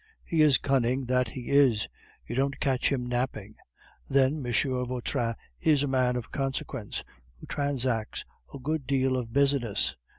He is cunning, that he is! You don't catch him napping. Then M. Vautrin is a man of consequence, who transacts a good deal of business."